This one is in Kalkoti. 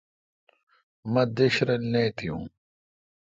مہ دیش رل نہ ایتھیوں۔